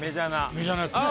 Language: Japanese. メジャーなやつね。